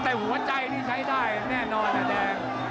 แต่หัวใจนี่ใช้ได้แน่นอนนะแดง